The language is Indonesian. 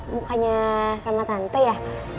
mukanya sama tante ya